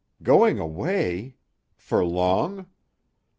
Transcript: "Going away! For long?"